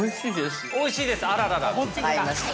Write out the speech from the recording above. ◆おいしいですよ。